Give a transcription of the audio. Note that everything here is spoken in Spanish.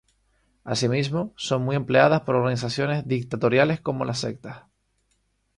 Asimismo, son muy empleadas por organizaciones dictatoriales como las sectas.